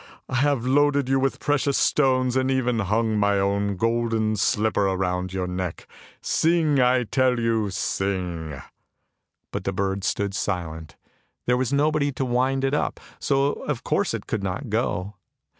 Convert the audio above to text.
I have loaded you with precious stones, and even hung my own golden slipper round your neck, sing, I tell you, sing! " But the bird stood silent, there was nobody to wind it up, so of course it could not go.